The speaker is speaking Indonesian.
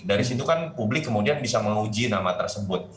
dari situ kan publik kemudian bisa menguji nama tersebut